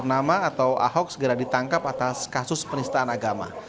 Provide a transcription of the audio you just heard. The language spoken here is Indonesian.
pertama bahasuki cahaya purnama atau ahok segera ditangkap atas kasus penistaan agama